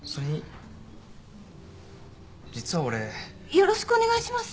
よろしくお願いします。